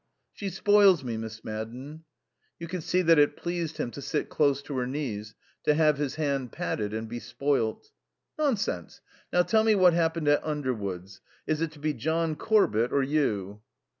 "She spoils me, Miss Madden." You could see that it pleased him to sit close to her knees, to have his hand patted and be spoilt. "Nonsense. Now tell me what happened at Underwoods. Is it to be John Corbett or you?"